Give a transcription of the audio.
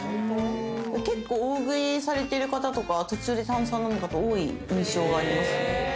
結構大食いされてる方とかは途中で炭酸を飲む方、多い印象があります。